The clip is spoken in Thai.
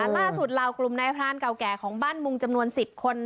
ล่าสุดเหล่ากลุ่มนายพรานเก่าแก่ของบ้านมุงจำนวน๑๐คน